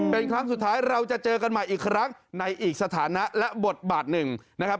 เป็นครั้งสุดท้ายเราจะเจอกันใหม่อีกครั้งในอีกสถานะและบทบาทหนึ่งนะครับ